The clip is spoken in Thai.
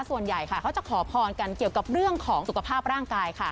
ส่วนใหญ่เขาจะขอพรกันเกี่ยวกับเรื่องของสุขภาพร่างกายค่ะ